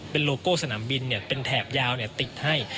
เป็นโลโก้สนามบินเป็นแถบยาวติดให้